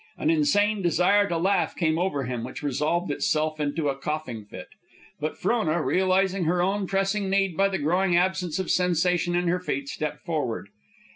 An insane desire to laugh came over him, which resolved itself into a coughing fit. But Frona, realizing her own pressing need by the growing absence of sensation in her feet, stepped forward.